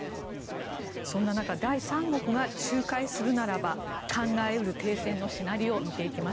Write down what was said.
そんな中第三国が仲介するならば考え得る停戦のシナリオを見ていきます。